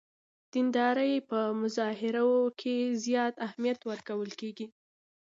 دیندارۍ په مظاهرو کې زیات اهمیت ورکول کېږي.